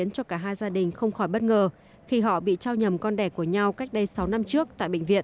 cho cả hai gia đình không khỏi bất ngờ khi họ bị trao nhầm con đẻ của nhau cách đây sáu năm trước tại bệnh viện